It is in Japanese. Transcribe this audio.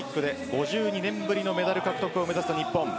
５２年ぶりのメダル獲得を目指す日本。